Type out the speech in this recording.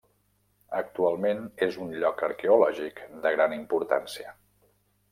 Actualment és un lloc arqueològic de gran importància.